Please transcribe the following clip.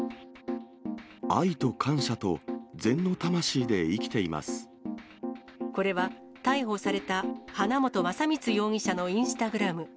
愛と感謝と禅の魂で生きていこれは、逮捕された花本将光容疑者のインスタグラム。